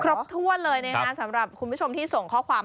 ครบถ้วนเลยนะครับสำหรับคุณผู้ชมที่ส่งข้อความ